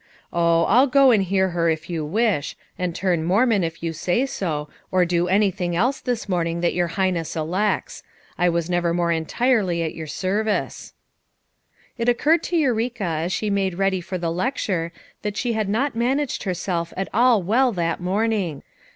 "Oh, I'll go and hear her if you wish, and turn Mormon if you say so, or do anything else this morning that your highness elects; I was never more entirely at your service." It occurred to Eureka as she made ready for the lecture that she had not managed herself at all well that morning.